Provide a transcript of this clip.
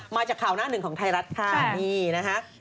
มาจากข่าวหน้าหนึ่งของไทยรัฐค่ะนี่นะคะ